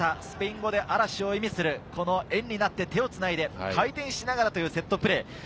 スペイン語で嵐を意味する円になって手をつないで回転しながらというセットプレー。